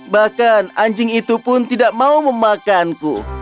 bahkan anjing itu pun tidak mau memakanku